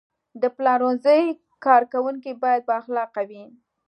د پلورنځي کارکوونکي باید بااخلاقه وي.